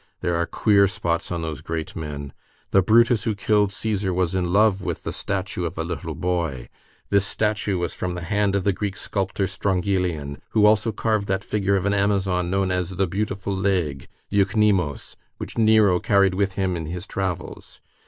There are queer spots on those great men. The Brutus who killed Cæsar was in love with the statue of a little boy. This statue was from the hand of the Greek sculptor Strongylion, who also carved that figure of an Amazon known as the Beautiful Leg, Eucnemos, which Nero carried with him in his travels.